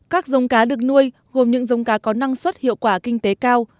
các dông cá được nuôi gồm những dông cá có năng suất hiệu quả kinh tế cao